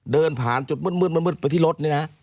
เดินผ่านจุดมืดมืดไปที่รถ